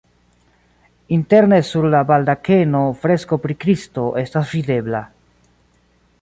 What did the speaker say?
Interne sur la baldakeno fresko pri Kristo estas videbla.